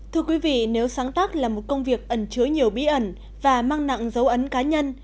thưa quý vị nếu sáng tác là một công việc ẩn chứa nhiều bí ẩn và mang nặng dấu ấn cá nhân